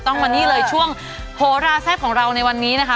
ต้องมานี่เลยช่วงโหราแซ่บของเราในวันนี้นะคะ